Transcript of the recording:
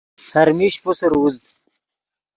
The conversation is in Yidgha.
ہر میش پوسر اُوزد